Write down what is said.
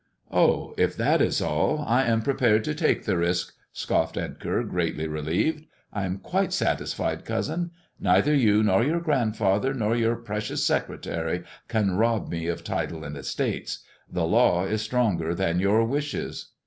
" Oh, if that is all, I am prepared to take the risk," scoffed Edgar, greatly relieved. "I am quite satisfied, cousin. Neither you, nor your grandfather, nor your pre cious secretary can rob me of title and estates. The law is stronger than your wishes."